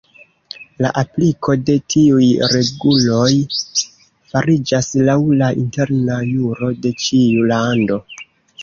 La apliko de tiuj reguloj fariĝas laŭ la interna juro de ĉiu lando.